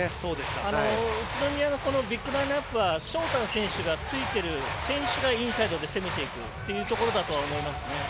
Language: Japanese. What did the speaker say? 宇都宮のビッグラインアップはショーター選手がついてる選手がインサイドで攻めていくというところだと思います。